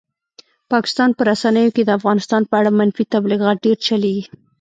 پاکستان په رسنیو کې د افغانستان په اړه منفي تبلیغات ډېر چلېږي.